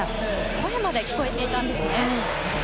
声まで聞こえていたんですね。